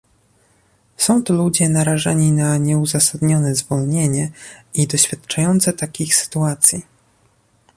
Są to ludzie narażeni na nieuzasadnione zwolnienie i doświadczający takich sytuacji